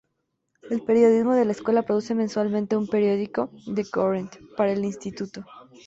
El periodismo de la escuela produce mensualmente un periódico, "The Current", para el instituto.